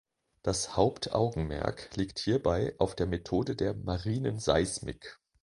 Das Hauptaugenmerk liegt hierbei auf der Methode der marinen Seismik.